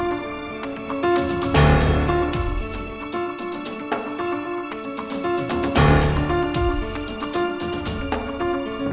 adalah dunia gue